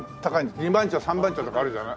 二番茶三番茶とかあるじゃない？